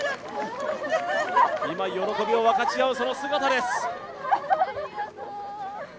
今、喜びを分かち合うその姿です。